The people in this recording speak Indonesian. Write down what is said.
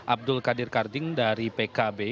abdul qadir karding dari pkb